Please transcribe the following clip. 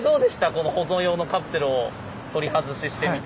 この保存用のカプセルを取り外ししてみて。